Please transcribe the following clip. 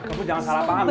kau jangan salah paham deh